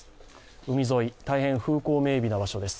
海沿い、大変、風光明美な場所です。